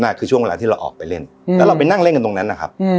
คือช่วงเวลาที่เราออกไปเล่นแล้วเราไปนั่งเล่นกันตรงนั้นนะครับ